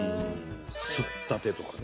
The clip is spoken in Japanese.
「すったて」とかね。